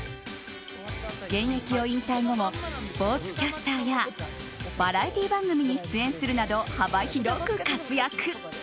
現役を引退後もスポーツキャスターやバラエティー番組に出演するなど幅広く活躍。